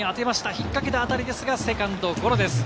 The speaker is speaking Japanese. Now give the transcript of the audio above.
引っ掛けたあたりですが、セカンドゴロです。